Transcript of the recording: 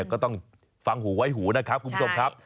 ก็ต้องฟังหูไว้หูนะครับคุณผู้ชมครับ